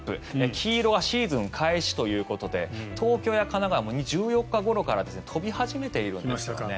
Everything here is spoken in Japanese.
黄色はシーズン開始ということで東京や神奈川も１４日ごろから飛び始めているんですよね。